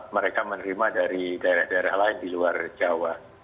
mereka menerima dari daerah daerah lain di luar jawa